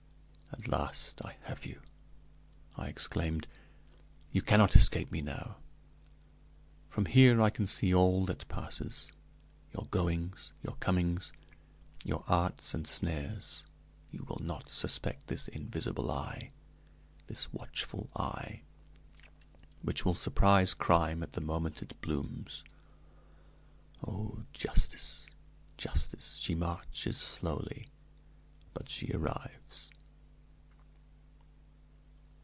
"At last, I have you!" I exclaimed; "you cannot escape me now; from here I can see all that passes your goings, your comings, your arts and snares. You will not suspect this invisible eye this watchful eye, which will surprise crime at the moment it blooms. Oh, Justice, Justice! She marches slowly; but she arrives."